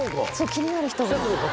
気になる人が。